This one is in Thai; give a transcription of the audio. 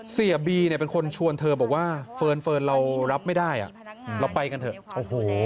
เสียบีเป็นคนชวนเธอบอกว่าเฟิร์นเรารับไม่ได้เราไปกันเถอะ